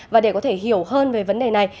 và để có thể hiểu hơn về vấn đề này